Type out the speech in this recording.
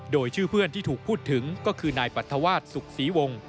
โดยชื่อเพื่อนที่ถูกพูดถึงก็คือนายปรัฐวาสสุขศรีวงศ์